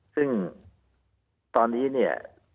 ซึ่งตอนนี้